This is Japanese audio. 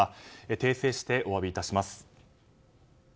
訂正してお詫びいたします。